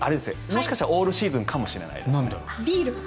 もしかしたらオールシーズンかもしれないです。